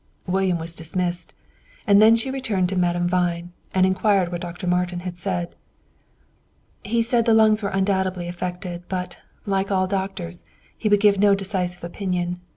William was dismissed. And then she returned to Madame Vine, and inquired what Dr. Martin had said. "He said the lungs were undoubtedly affected; but, like all doctors, he would give no decisive opinion.